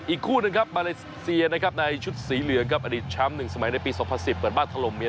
อีกคู่หนึ่งครับมาเลเซียนะครับในชุดสีเหลืองครับอดีตช้ำ๑สมัยในปี๒๐๑๐